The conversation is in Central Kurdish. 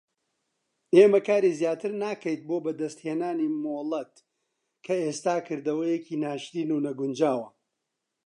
ئێمە کاری زیاتر ناکەیت بۆ بەدەستهێنانی مۆڵەت کە ئێستا کردەوەیەکی ناشرین و نەگونجاوە.